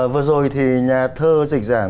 vừa rồi thì nhà thơ dịch giảng